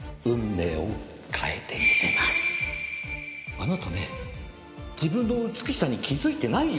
あなたね自分の美しさに気づいてないよ。